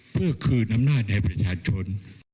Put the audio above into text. เพื่อคืนอำนาจให้ประชาชน